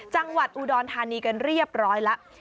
จังหวัดอุดรธานีกันเรียบร้อยแล้ว